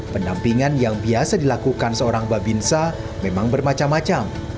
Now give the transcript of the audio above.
pendampingan yang biasa dilakukan seorang babinsa memang bermacam macam